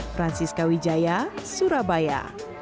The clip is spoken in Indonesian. francisca wijaya surabaya